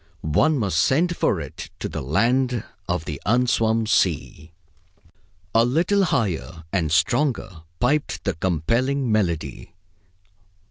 One must send for it to the land of the unswum sea. A little higher and stronger piped the compelling melody.